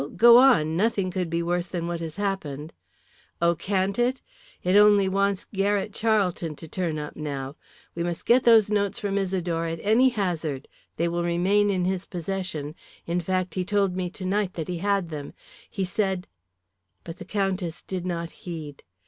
Go on, nothing could be worse than what has happened." "Oh, can't it? It only wants Garrett Charlton to turn up now. We must get those notes from Isidore at any hazard. They will remain in his possession in fact, he told me tonight that he had them. He said " But the Countess did not heed.